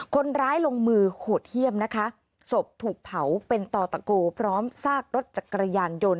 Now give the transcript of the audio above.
คนร้ายลงมือโหดเยี่ยมนะคะศพถูกเผาเป็นต่อตะโกพร้อมซากรถจักรยานยนต์